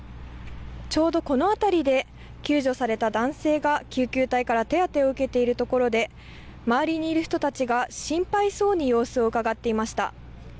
ちょうどこの辺りで救助された男性が救急隊から手当てを受けているところで周りにいる人たちが心配そうに様子をうかがっていました。